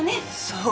そう。